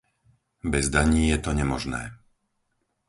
Bez daní je to nemožné.